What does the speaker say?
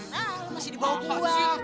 nah lo masih di bawah dua